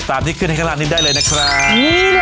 ตามที่ขึ้นในข้างล่างนเนี้ยได้เลยนะครับ